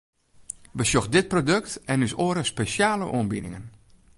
Besjoch dit produkt en ús oare spesjale oanbiedingen!